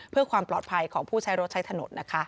เพื่อความปลอดภัยของผู้ใช้รถใช้ถนนนะคะ